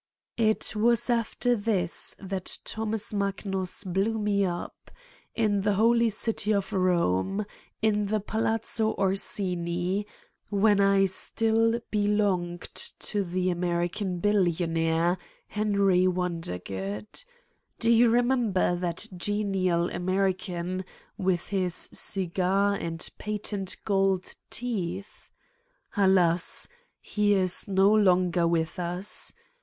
It was after this that Thomas Magnus blew me up, in the holy city of Eome, in the Palazzo Orsini, 262 \ Satan's Diary when I still belonged to the American billionaire, Henry Wondergood. Do you remember that genial American with his cigar and patent gold teeth? Alas! He is no longer with us.